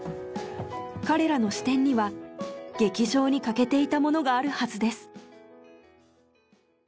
彼らの視点には劇場に欠けていたものがあるはずです。